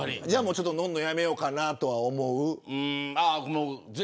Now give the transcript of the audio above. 乗るのやめようかなとは思う。